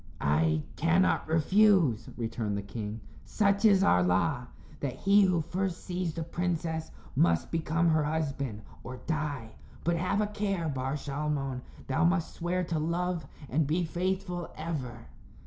"I cannot refuse," returned the king. "Such is our law that he who first sees the princess must become her husband, or die. But, have a care, Bar Shalmon. Thou must swear to love and be faithful ever."